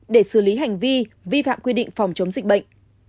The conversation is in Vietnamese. để xử lý hành vi vi phạm quy định phòng chống dịch bệnh